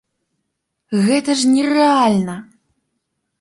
Гэта ж не рэальна!